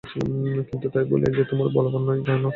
কিন্তু তাই বলিয়া যে তোমার মত বলবান নয়, তাহাকে অভিশাপ দিও না।